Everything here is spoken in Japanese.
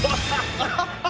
ハハハハ。